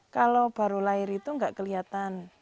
kalau baru lahir itu nggak kelihatan